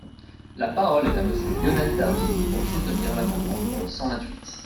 La parole est à Monsieur Lionel Tardy, pour soutenir l’amendement numéro cent vingt-huit.